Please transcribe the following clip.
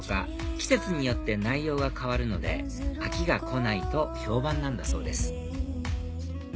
季節によって内容が変わるので飽きが来ないと評判なんだそうです